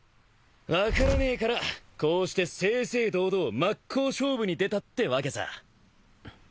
分からねえからこうして正々堂々真っ向勝負に出たってわけさ。